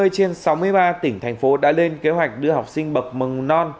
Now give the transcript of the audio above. sáu mươi trên sáu mươi ba tỉnh thành phố đã lên kế hoạch đưa học sinh bậc mầng non